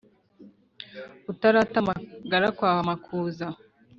Utarata amagara kwa makuza